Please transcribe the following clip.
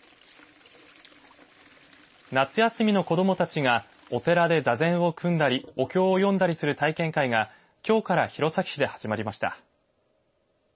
夏休みの子どもたちがお寺で座禅を組んだりお経を読んだりする体験会がきょうから弘前市で始まりました。